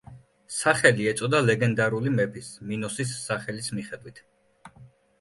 სახელი ეწოდა ლეგენდარული მეფის, მინოსის სახელის მიხედვით.